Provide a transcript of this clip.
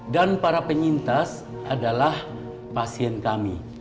dan para penyintas adalah pasien kami